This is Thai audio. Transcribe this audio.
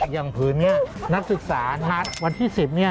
อย่างผืนนี้นักศึกษานัดวันที่๑๐เนี่ย